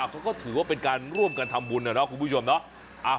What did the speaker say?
เขาก็ถือว่าเป็นการร่วมกันทำบุญนะเนาะคุณผู้ชมเนาะ